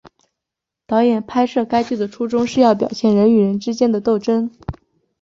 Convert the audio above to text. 导演拍摄该剧的初衷是要表现人与人之间的斗争。